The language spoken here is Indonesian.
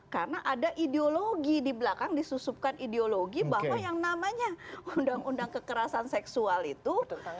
karena ada ideologi di belakang disusupkan ideologi bahwa yang namanya undang undang kekerasan seksual itu